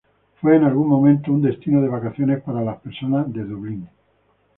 Fue en algún momento un destino de vacaciones para las personas que de Dublin.